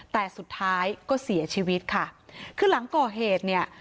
แต่สุดท้ายก็เสียชีวิตค่ะคือหลังก่อเหตุเนี่ย